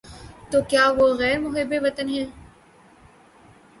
تو کیا وہ غیر محب وطن ہے؟